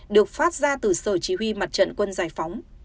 được phát ra từ sở chỉ huy mặt trận quân giải phóng